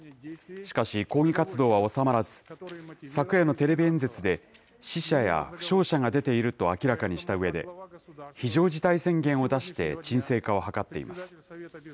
しかし抗議活動は収まらず、昨夜のテレビ演説で、死者や負傷者が出ていると明らかにしたうえで、非常事態宣言を出して鎮静化を図っています。